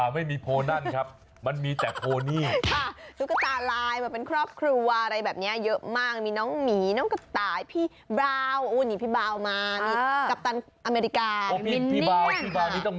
เหนี๊ยะร้องอย่างงี้จริง